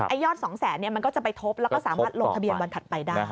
ไอ้ยอด๒๐๐๐๐๐เนี่ยมันก็จะไปทบแล้วก็สามารถโหลดทะเบียนวันถัดไปได้